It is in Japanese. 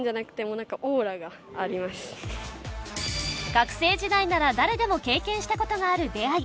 学生時代なら誰でも経験したことがある出会い